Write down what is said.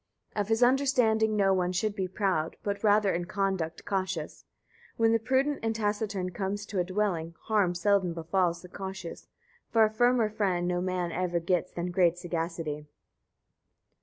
6. Of his understanding no one should be proud, but rather in conduct cautious. When the prudent and taciturn come to a dwelling, harm seldom befalls the cautious; for a firmer friend no man ever gets than great sagacity.